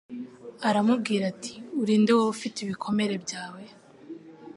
aramubwira ati Uri nde wowe ufite ibikomere byawe